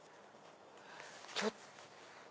ちょっと。